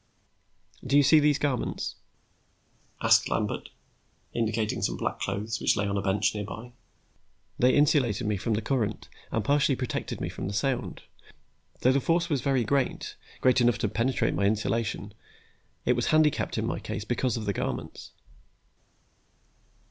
"Do you see these garments?" asked Lambert, indicating some black clothes which lay on a bench nearby. "They insulated me from the current and partially protected me from the sound. Though the force was very great, great enough to penetrate my insulation, it was handicapped in my case because of the garments."